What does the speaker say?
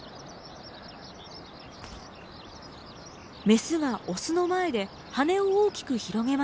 メスがオスの前で羽を大きく広げました。